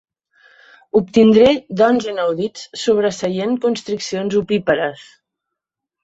Obtindré dons inaudits sobreseient constriccions opípares.